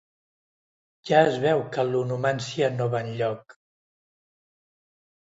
Ja es veu que l'onomància no va enlloc.